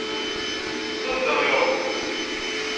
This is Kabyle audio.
S anda i iṛuḥ?